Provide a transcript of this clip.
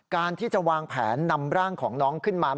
การที่จะวางแผนนำร่างของน้องขึ้นมา